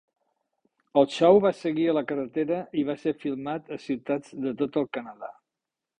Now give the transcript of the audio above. El show va seguir a la carretera i va ser filmat a ciutats de tot el Canadà.